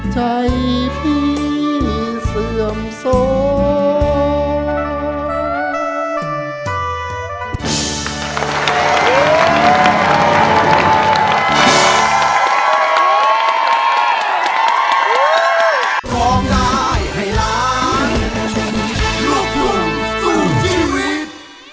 ใจพี่เสื่อมโสม